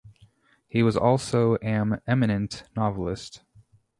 He was also am eminent novelist.